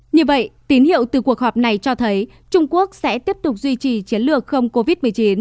như vậy tín hiệu từ cuộc họp này cho thấy trung quốc sẽ tiếp tục duy trì chiến lược không covid một mươi chín